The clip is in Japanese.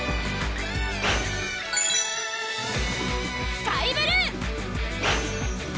スカイブルー！